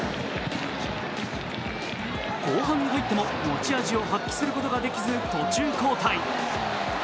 後半に入っても持ち味を発揮することができず、途中交代。